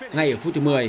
ngay ở phút thứ một mươi